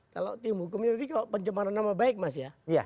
kalau tim hukum itu itu kaya pencemaran nama baik mas ya